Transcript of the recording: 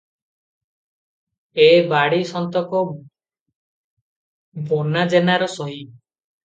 ଏ ବାଡ଼ି ସନ୍ତକ ବନା ଜେନାର ସହି ।